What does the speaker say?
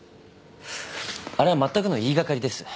あれはまったくの言い掛かりです。